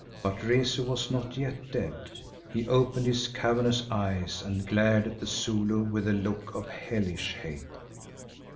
But Rezu was not yet dead. He opened his cavernous eyes and glared at the Zulu with a look of hellish hate.